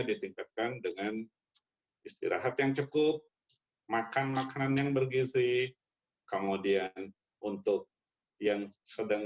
ditingkatkan dengan istirahat yang cukup makan makanan yang bergizi kemudian untuk yang sedang